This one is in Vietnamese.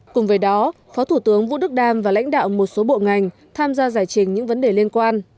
cùng với đó phó thủ tướng vũ đức đam và lãnh đạo một số bộ ngành tham gia giải trình những vấn đề liên quan